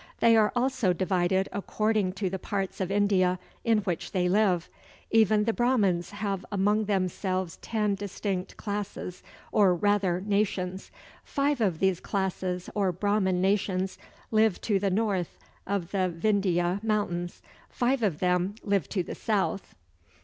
They are also divided according to the parts of India in which they live. Even the Brahmans have among themselves ten distinct classes, or rather nations. Five of these classes or Brahman nations live to the north of the Vindhya mountains; five of them live to the south.